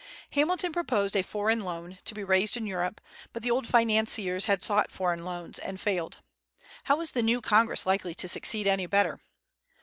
Hamilton proposed a foreign loan, to be raised in Europe; but the old financiers had sought foreign loans and failed. How was the new Congress likely to succeed any better?